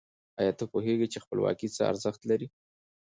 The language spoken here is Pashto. آیا ته پوهېږي چې خپلواکي څه ارزښت لري؟